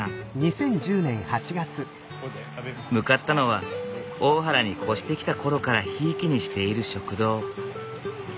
向かったのは大原に越してきた頃からひいきにしている食堂。